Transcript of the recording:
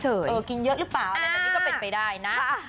กินเยอะหรือเปล่าอะไรแบบนี้ก็เป็นไปได้นะ